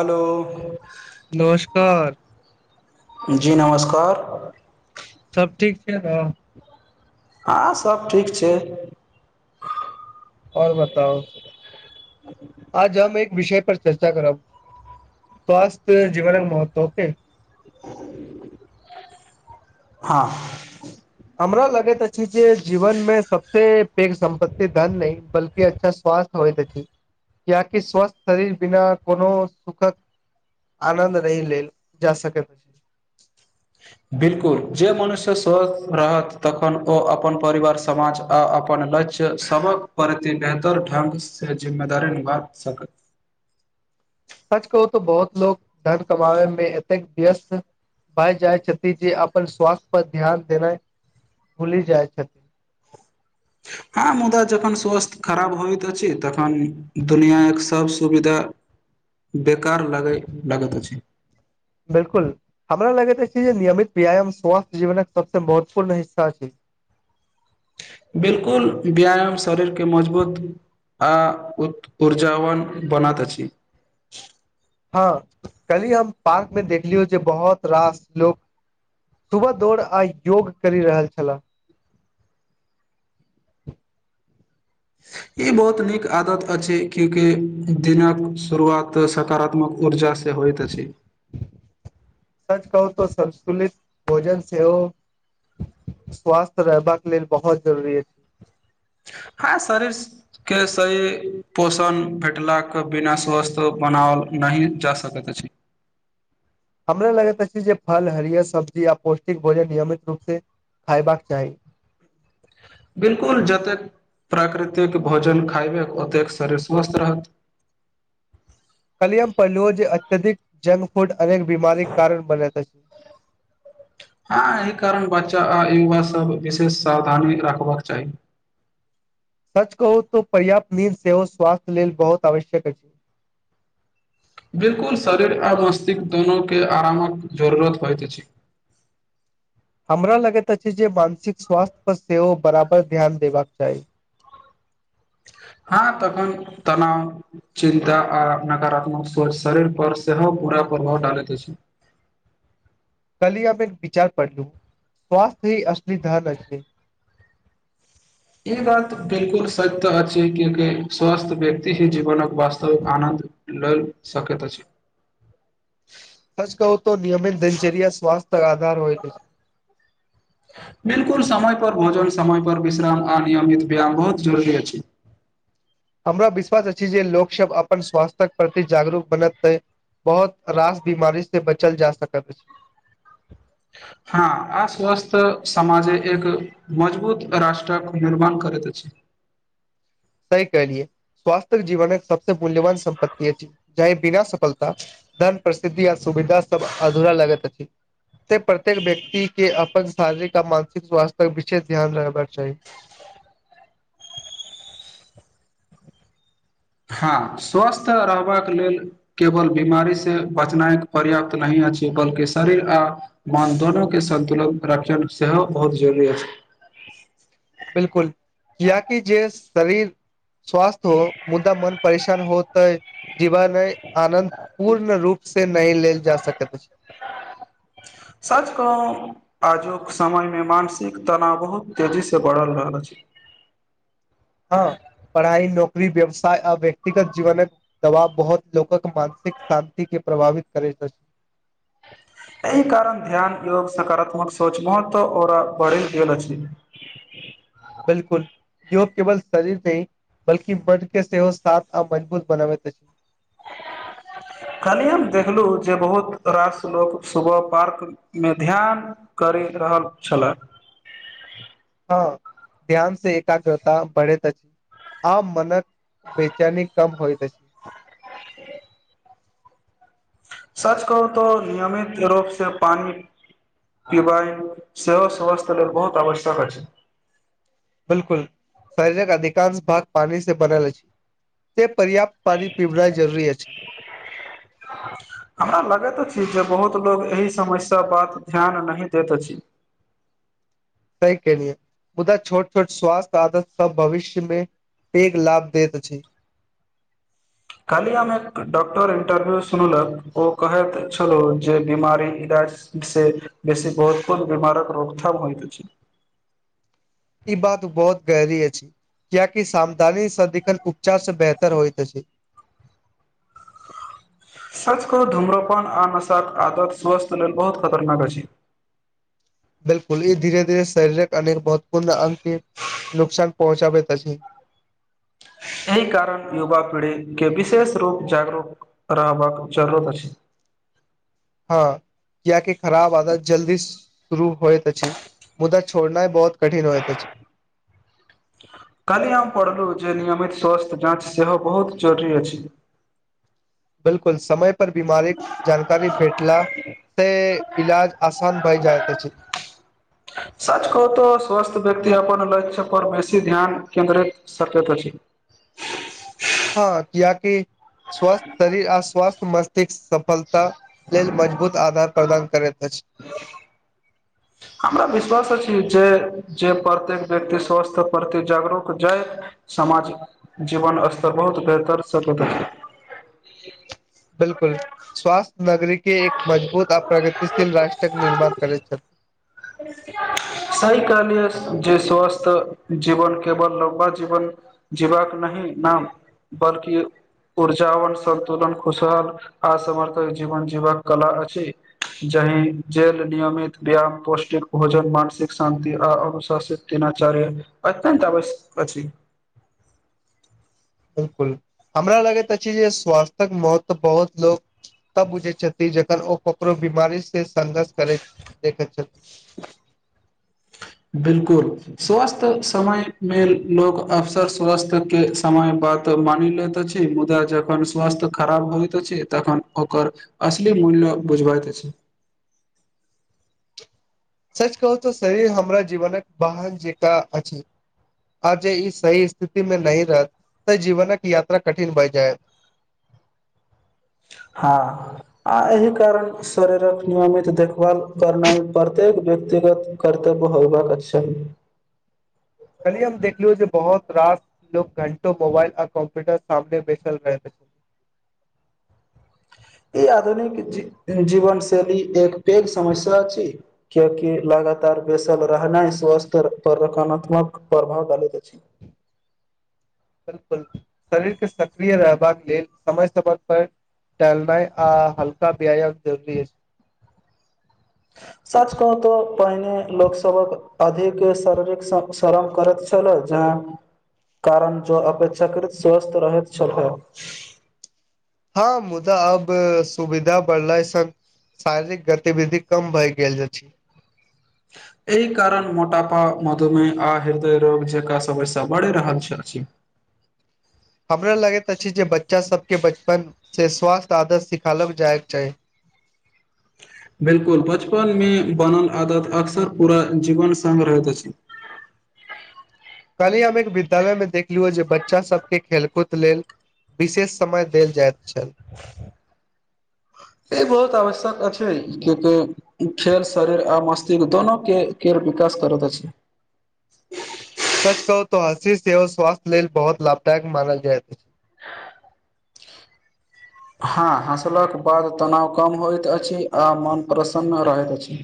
हलो नमस्कार जी नमस्कार सब ठीक छिये नऽ हँ सब ठीक छै आओर बताउ आज हम एक विषय पर चर्चा करब स्वास्थ्य जीवनक महत्व [unintelligible] हँ हमरा लगैत अछि जे जीवन में सबसे पैघ सम्पति धन न बल्कि अच्छा स्वास्थ्य होइत अछि किियाकि स्वस्थ शरीर बिना कोनो सुखक आनन्द नहि लै जा सक छै बिल्कुल जे मनुष्य स्वस्थ रहत तखन ओ अपन परिवार समाज आ अपन लक्ष्य सबक प्रति बेहतर ढंग से जिम्मेदारी निभा सक सच कहू तऽ बहुत लोक धन कमाबे में एतेक व्यस्त भाय जाइ छथि जे अपन स्वास्थ पर ध्यान देनाइ भुलि जाइ छथि हँ मुदा जखन स्वास्थ्य खराब होइत अछि तखन दुनिआँक सब सुविधा बेकार लागै लागैत अछि बिलकुल हमरा लगैत छै जे नियमित व्यायाम स्वास्थ्य जीवनक सबसे महत्वपूर्ण हिस्सा छै बिलकुल व्यायाम शरीर कऽ मजबूत आ उ ऊर्जावन बनात अछि हँ कली हम पार्क में देखलियो जे बहुत रास लोक सुबह दौड़ आ योग करि रहल छलह ई बहुत नीक आदत अछि क्यूकि दिनक शुरुआत सकारात्मक ऊर्जासँ से होइत अछि सच कहू त संतुलित भोजन सेहो स्वास्थ रहबाक लेल बहुत जरूरी अछि हँ शरीर के सही पोषण भेटलाक बिना स्वस्थ बनाओल नहि जा सकैत अछि हमरा लगैत अछि जे फल हरियर सब्जी य पौष्टिक भोजन नियमित रूप से खायबाक चाही बिलकुल जतेक प्राकृतिक भोजन खायबै ओतेक शरीर स्वस्थ रहत कलियम प्लुओ जे अत्यधिक जंक फूड अनेक बीमारी कारण बने छै हँ एहि कारण बच्चा आ युवा सब विशेष सावधानी राखबाक चाही सच कहू तो पर्याप्त नींद सेहो स्वास्थ्य लेल बहुत आवश्यक अछि बिलकुल शरीर आ मस्तिष्क दोनो के आरामक जरूरत परैत अछि हमरा लगैत अछि जे मानसिक स्वास्थ्य पर सेहो बराबर ध्यान देबाक चाहि हँ तखन तनाव चिन्ता आ नकारात्मक सोच शरीर पर सेहो पूरा प्रभाव डालैत अछि कल्हि हम एक विचार पढ़लौ स्वस्थ्य हि असलि धन अछि ई बात बिलकुल सत्य तऽ अछि कियाकि स्वस्थ व्यक्ति ही जीवनक वास्तविक आनन्द ल सकैत अछि सच कहू त नियमित दिनचर्य स्वस्थ्य आधार होइत अछि बिलकुल समय पर भोजन समय पर विश्राम आ नियमित व्यायाम बहुत जरुरी अछि हमरा विश्वास अछि जे लोकसभ अपन स्वास्थयक प्रति जागरूक बनतै बहुत रास बीमारी से बचल जा सकैत हँ अस्वस्थ समाजे एक मजबूत राष्ट्रक निर्माण करैत अछि सहि कलिय स्वास्थ्य जीवन सबस मूल्यवान सम्पत्ति ची जे बिना सफलता धन प्रसिद्धि आ सुविधा सब अधूरा लगैत अछि प्रत्येक व्यक्ति के अपन शारीरिक आ मानसिक स्वास्थ्य पर विशेष ध्यान रहबाक चाहि हँ स्वस्थ रहबाक लेल केवल बीमारी से बचनाइ पर्याप्त नहि अछि बल्कि शरीर आ मान धन के संन्तुलन रखन सेहो बहुत जरुरी अछि बिलकुल किया कि जे शरीर स्वस्थ हो मुद्दा मन परेशान होतै जीवन आनन्द पूर्ण रूप से नहि लेल जा सकैत अछि साच कहु आजुक समयमे मानसिक तनाव बहुत तेजीसँ बढ़ल रहल हँ पढ़ाइ नौकरी व्यवसाय आ व्यक्तिगत जीवन दबाब बहुत लोकक मानसिक शान्ति के प्रभावित करैत छथि एहि कारण ध्यान योग सकारात्मक सोच महत्व और बढ़ल गेल छै बिलकुल योग केवल शरीर नहि बल्कि मन के सेहो साथ आ मजबूत बनाबैत अछि [inaudible] कल्हिय हम देखलहु जे बहुत रास लोक सुबह पार्क मे ध्यान करैत रहल छल हँ ध्यान से एकाग्रता बढ़ैत अछि आ मनत बेचानी कम होइ त छै से [inaudible] सच कहू तो नियमित रूप से पानी क्यबइन सेहो समस्त लेल बहुत आवश्यक अछि बिलकुल शरीरक अधिकांश भाग पानी से बनल अछि से पर्याप्त पानि पीबना जरुरी अछि हमरा लगैत अछि जे बहुत लोग एहि समस्या ब ध्यान नहि दैत अछि सही केेलिय मुदा छोट छोट स्वास्थ्य आदत सब भविष्यमे पेघ लाभ दैत छै काली हम एक डॉक्टर इंटरव्यू सुनलक ओ कहैत छलो जे बीमारी से बेसी बहुत कोत बीमारक रोकथाम हो द छै ई बात बहुत गहरी अछि कियाकि सावधानी सदिखन उपचार से बेहतर होइत अछि सच कहु धूम्रपान आ नसाक आदत स्वस्थ लेल बहुत खतरनाक अछि बिल्कुल ई धीरे धीरे शरीरक अनेक महत्वपूर्ण अंगकेँ नुकसान पहुँचाबैत अछि एहि कारण युवा पीढ़ीकेँ विशेष रूप जागरूक रहबाक जरूरत अछि हँ कियकि खराब आदत जल्दी शुरू होइत अछि मुदा छोड़नाइ बहुत कठिन होयत अछि काल्हि हम पढ़लहु जे नियमित स्वास्थ्य जाँच सेहो बहुत जरुरी अछि बिल्कुल समय पर बीमारी जानकारी भेटला से इलाज आसान भई जायत अछि सच कहू तो स्वस्थ व्यक्त अपन लक्ष्य पर बेसी ध्यान केन्द्रित सकैत अछि हँ कियकि स्वस्थ शरीर आ स्वस्थ मस्तिष्क सफल ता लेल मजबूत आधार प्रदान करैत अछि हमरा विश्वास छी जे जे प्रत्येक व्यक्ति स्वास्थ्य प्रति जागरूक जाय समाज जीवन स्तर बहुत बेहतर सकैत अछि बिलकुल स्वास्थ्य नगरी केँ एक मजबूत आ प्रगतिशील राष्ट्रक निर्माण अछि करैत छथि [inaudible] सही कहलिये जे स्वस्थ जीवन केवल लम्बा जीवन जीवक नहि नाम बल्कि ऊर्जावन सन्तुलन खुशहाल आ समर्थक जीवन जीवबाक कला अछि जहि जेल नियमित व्यायाम पोस्ट भोजन मानसिक शान्ति आ अनुशासित दिनाचार्य अत्यन्त आवश्यक अछि बिलकुल हमरा लगैत अछि जे स्वास्थक महत्व बहुत लोको तब बुझैत छथि जखन ओ ककरो बीमारी से संघर्ष करैत देखैत छथि [inaudible] बिलकुल स्वस्थ समय मे लोग अवसर स्वस्थ केँ समय बाद तऽ मानि लैत छै मुदा जखन स्वास्थ्य खराब होइत अछि तखन ओकर असली मूल्य बुझबैत अछि सच कहू तऽ शरीर हमरा जीवनक बाहन जेकाँ अछि आ जे ई सही स्थिति मे नही रहत तऽ जीवनक यात्रा कठिन भए जायत हँ आ एहि कारण शरीरक नियमित देखभाल करनाइ प्रत्येक व्यक्तिगत कर्तव्य होबाक चाही कल्हि हम देखलो जे बहुत रास लोग घंटो मोबाइल आ कंप्यूटर सामने बैसल रहैत अछि ई आधुनिक जीवन शैली एक पैघ समस्या अछि कियकि लगातार बेसल रहनाइ स्वास्थ पर नाकारात्मक प्रभाव डालैत अछि बिलकुल शरीर केँ सक्रिय रहबाक लेल समय समय पर टहलनाई आ हल्का व्यायाम जरूरी अछि साच कहुँ तो पहिने लोक सबक अधिक शारीरिक स्वक्ष शरम करैत छलो जहाँ कारण जँ अपेक्षाकृत स्वस्थ रहैत छलहो हँ मुदा अब सुविधा बढ़लाइ सँ शारीरिक गतिविधि कम भए गेल अछि एहि कारण मोटापा मधुमेह आ हृदय रोग जकाँ समस्या बढ़ि रहल अछि हमरा लगैत अछि जे बच्चा सब केँ बचपन से स्वास्थ्य आदर सिखालो जाय केँ चाही बिलकुल बचपन मे बनल आदत अक्सर पूरा जीवन संग रहैत अछि कल्ही हम एक विद्यालय मे देखलियौ जे बच्चा सबके खेलकूद लेल विशेष समय देल जाय छल [inaudible] ई बहुत आवश्यक अ छै क त खेल शरीर आ मस्तिष्क दोनो के खेर विकास करैत छै सच कहू तऽ हँसी सेहो स्वास्थ्य लेल बहुत लाभदायक मानल जायत अछि हँ हँसलाक बाद तनाव कम होइत अछि आ मोन प्रसन्न रहैत अछि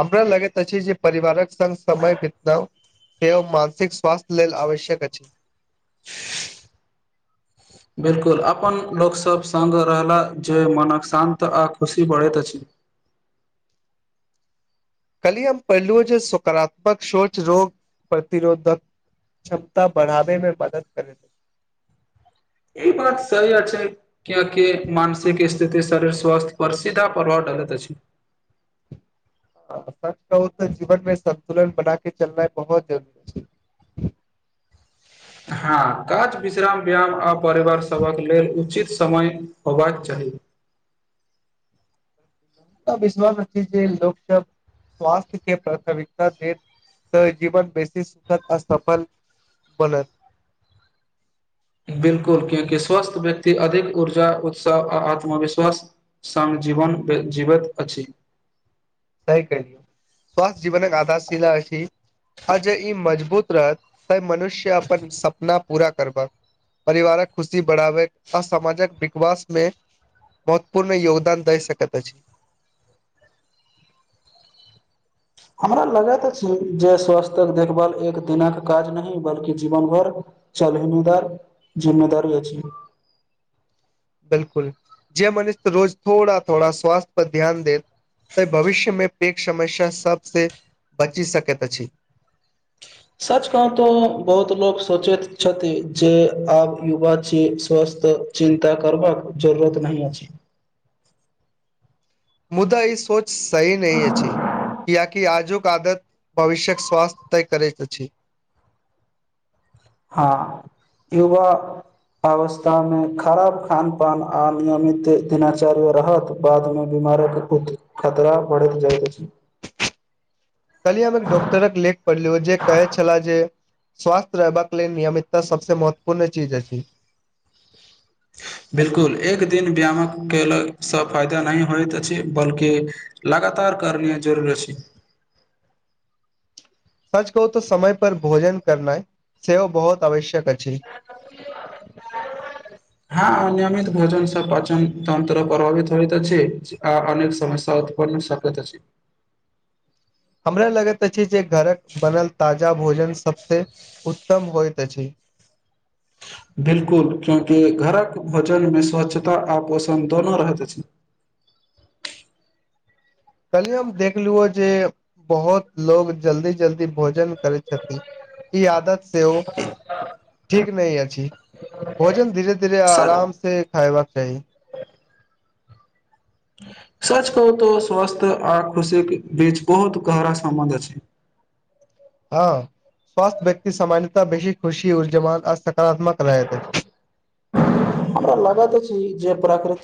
हमरा लगैत अछि जे परिवारक संगङग समय बिताउ से मानसिक स्वास्थ्य लेल आवश्यक अछि बिलकुल अपन लोकसभ सङ्ग रहलाह जे मनक शान्त आ खुशी बढ़ैत अछि कली हम पढ़लु जे सकारात्मक सोच रोग प्रतिरोधक क्षमता बढ़ाबे में मदद करे ई बात सही अछि कियकि मानसिक स्थिति शरीर स्वस्थ्य पर सीधा प्रभाव डालैत अछि ह सच कहु तऽ जीवन मे संन्तुलन बना के चलनाइ बहुत जरुररी छै हँ काज विश्राम व्यायाम आ परिवार सभक लेल उचित समय हेबाक चाहि विश्वास [unintelligible] जे लोक सब स्वास्थ्य के प्राथमिकता देत तऽ जीवन बेसी सुखद आ सफल बनत बिलकुल क्यंकि स्वस्थ व्यक्त अधिक ऊर्जा उत्साह आ आत्मविश्वास सङ जीवन जीवैत अछि सही कहि [unintelligible] स्वासथ्य जीवन आधारशिल अछि आ जे ई मजबूत रहत तऽ मनुष्य अपन सपना पूरा करबह परिवारक खुशी बढ़ावै अ सामाजक विकवास मे महत्वपूर्ण योगदान दै सकैत अछि हमरा लगै त छै जे स्वास्थक देखभाल एक दिनक काज न बल्कि जीवन भर चल ममेदार जिम्ममेदारी अ छै बिलकुल जे मनिष रोज थोड़ा थोड़ा स्वास्थ्य पर ध्यान देैत तऽ भविष्य मे पैघ समस्या सबसँ बची सकैत अछि सच कहाँ तो बहुत लोको सोचैत छथि जे आब युवा छ स्वस्थ चिन्ता करबाक जरूरत नहि अछि मुदा ई सोच सही नहि अछि कि कि‌आजुक आदत भविष्य्यक स्वास्थ्य तय करैत अछि हँ युवा अवस्थामे खराब खानपान आ नियमित दिनाचर्य रहत बाद मे बीमारक खतरा बढ़ैत जाइत अछि कहली हम एक डॉक्टरक लेख पढ़लिय जे कहे छलाह जे स्वास्थ्य रहबाक लेल नियमितता सबस महत्वपूर्ण चीज अछि बिलकुल एक दिन व्यायामक कयेलसँ फायदा नहि होइत अछि बल्कि लगातार करए जरूरी छै सच कहू तऽ समय पर भोजन करनाइ सेहो बहुत आवश्यक अछि [inaudible] हँ अनयमित भोजन स पाचन तन्त्र प्रभावित ‌होइत छै आ अनेक समस्या उत्पन्न कतऽ छी हमरा लगैत अछि जे घरक बनल ताजा भोजन सबस उत्तम होइत अछि बिल्कुल कियोंकी घरक भजन मे स्वच्छता आ पोषण दोनो रहत छै कलि ह हम देखलु जे बहुत लोग जल्दी जल्दी भोजन करै छथिन [inaudible] ई आदत से ओ ठीक नहि अछि भोजन धीरे धीरे सच आराम से खायबाक चाहि सच कहू त स्वस्थ आ खुशीे बीच बहुत गहरा संबन्ध अछि हँ स्वस्थ्य व्यक्ति सामान्यता बेसी खुशी ऊर्जवान आ सकारात्मक रह अछि हमरा लागइत अछि जे प्राकृतिक